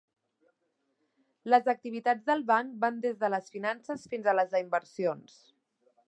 Les activitats del banc van des de les finances fins a les inversions.